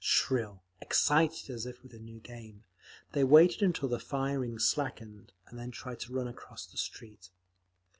Shrill, excited as if with a new game, they waited until the firing slackened, and then tried to run across the street….